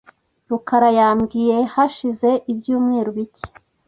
rukara yambwiye hashize ibyumweru bike .